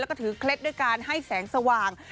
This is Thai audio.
แล้วก็ถือเคล็ดด้วยการให้แสงสว่าง